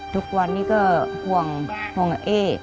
ทุกวันนี้ก็ห่วงกับเอ๊